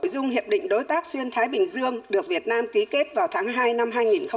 dung hiệp định đối tác xuyên thái bình dương được việt nam ký kết vào tháng hai năm hai nghìn một mươi tám